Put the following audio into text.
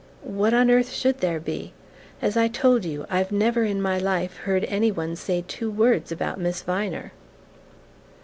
"What on earth should there be? As I told you, I've never in my life heard any one say two words about Miss Viner."